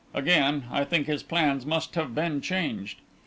Again I think his plans must have been changed.